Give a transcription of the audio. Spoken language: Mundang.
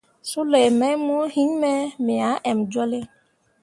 Sulei mai mo yinme, me ah emjolle.